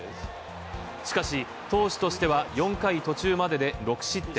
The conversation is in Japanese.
しかし、投手としては４回途中までで６失点。